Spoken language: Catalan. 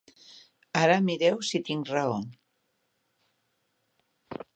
Ara mireu si tinc raó.